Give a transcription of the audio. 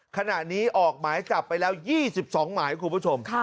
ขณะนี้ออกหมายจับไปแล้ว๒๒หมายคุณผู้ชม